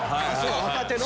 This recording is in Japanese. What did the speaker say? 若手の？